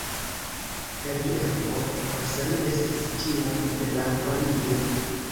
Kelnero Olsen estis ĉiam melankolia.